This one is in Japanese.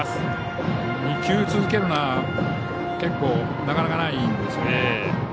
２球続けるのは結構、なかなかないんですよね。